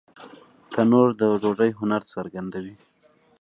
تنور د ډوډۍ هنر څرګندوي